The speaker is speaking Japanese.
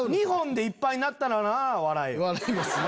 ２本でいっぱいになったら笑えよ。